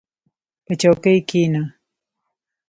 • په چوکۍ کښېنه.